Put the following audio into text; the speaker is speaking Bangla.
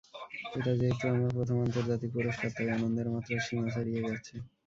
এটা যেহেতু আমার প্রথম আন্তর্জাতিক পুরস্কার, তাই আনন্দের মাত্রা সীমা ছাড়িয়ে গেছে।